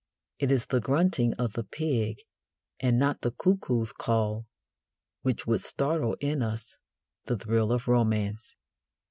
It is the grunting of the pig and not the cuckoo's call which would startle in us the thrill of romance.